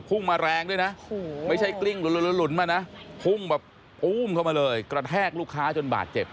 มาแรงด้วยนะไม่ใช่กลิ้งหลุนมานะพุ่งแบบอุ้มเข้ามาเลยกระแทกลูกค้าจนบาดเจ็บ